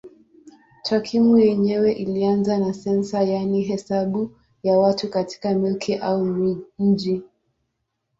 Takwimu yenyewe ilianza na sensa yaani hesabu ya watu katika milki au mji.